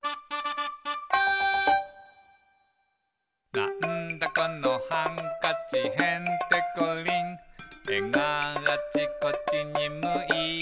「なんだこのハンカチへんてこりん」「えがあちこちにむいている」